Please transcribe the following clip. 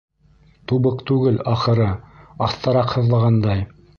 Тубыҡ түгел, ахыры, аҫтараҡ һыҙлағандай.